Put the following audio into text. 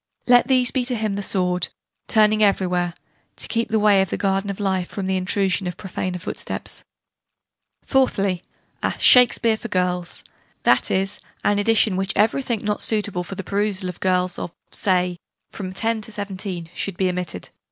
Let these be to him the sword, turning everywhere to keep the way of the Garden of Life from the intrusion of profaner footsteps." Fourthly, a "Shakespeare" for girls: that is, an edition in which everything, not suitable for the perusal of girls of (say) from 10 to 17, should be omitted.